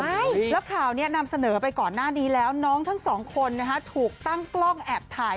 ใช่แล้วข่าวนี้นำเสนอไปก่อนหน้านี้แล้วน้องทั้งสองคนถูกตั้งกล้องแอบถ่าย